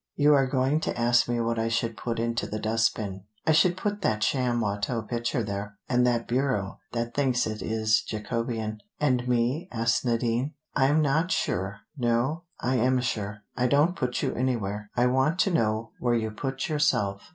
You are going to ask me what I should put into the dust bin. I should put that sham Watteau picture there, and that bureau that thinks it is Jacobean." "And me?" asked Nadine. "I am not sure. No: I am sure. I don't put you anywhere. I want to know where you put yourself.